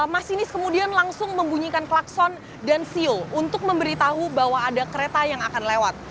masinis kemudian langsung membunyikan klakson dan siu untuk memberitahu bahwa ada kereta yang akan lewat